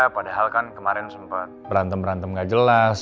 padahal kan kemarin sempat berantem berantem gak jelas